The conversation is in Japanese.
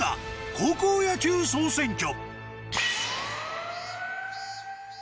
高校野球総選挙。